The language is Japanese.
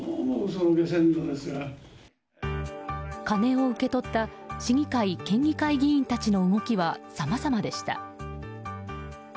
金を受け取った市議会、県議会議員たちの動きはさまざまでした。